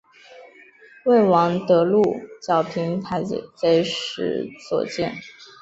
为王得禄剿平海贼时所建。